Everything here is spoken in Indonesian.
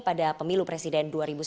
pada pemilu presiden dua ribu sembilan belas